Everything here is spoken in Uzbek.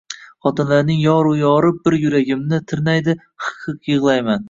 Xotinlarning yor-yori bir yuragimni tirnaydts, hiq-hiq yigʼlayman…